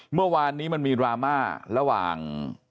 เมื่อวานนี้มันมีดราม่าระหว่าง